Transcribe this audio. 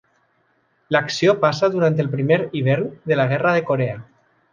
L'acció passa durant el primer hivern de la Guerra de Corea.